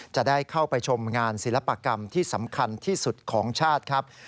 จะได้เข้าไปชมงานศิลปกรรมที่สำคัญที่สุดของชาติครับ